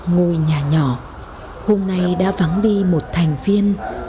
ngồi nhà nhỏ hôm nay đã vắng đi một thành viên